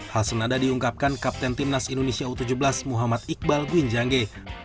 hasil nada diungkapkan kapten tim nasional indonesia u tujuh belas muhammad iqbal gwinjangge